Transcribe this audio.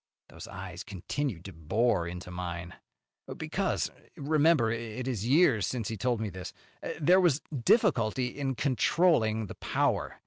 Those eyes continued to bore into mine. "Because remember it is years since he told me this there was difficulty in controlling the power.